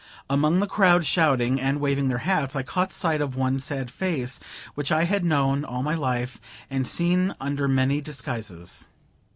Among the crowd shouting and waving their hats, I caught sight of one sad face, which I had known all my life, and seen under many disguises.